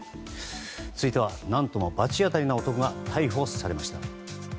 続いては、何とも罰当たりな男が逮捕されました。